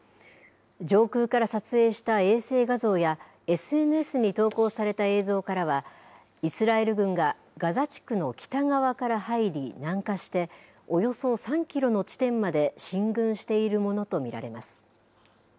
上空から撮影した衛星画像や、ＳＮＳに投稿された映像からは、イスラエル軍がガザ地区の北側から入り、南下して、およそ３キロの地点まで進軍しているものと見られます。